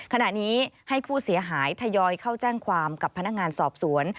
ขณะนี้ให้ผู้เสียหายทยอยเข้าแจ้งความกับพนักงานสอบสวน